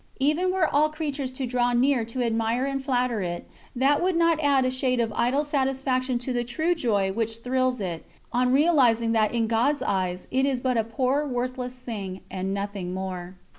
Even were all creatures to draw near to admire and flatter it, that would not add a shade of idle satisfaction to the true joy which thrills it, on realising that in God's Eyes it is but a poor, worthless thing, and nothing more.